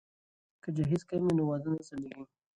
که جهیز کم وي نو واده نه ځنډیږي.